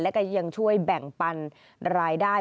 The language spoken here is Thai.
แล้วก็ยังช่วยแบ่งปันรายได้